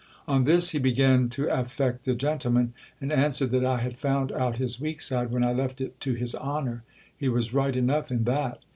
On this he began to affect the gentleman, and answered that I had found out his weak side when I left it to his honour. He was right enough in that